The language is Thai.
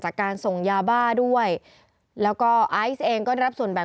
จากนั้นก็จะนำมาพักไว้ที่ห้องพลาสติกไปวางเอาไว้ตามจุดนัดต่าง